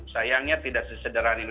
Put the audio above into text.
sayangnya tidak sesederhana itu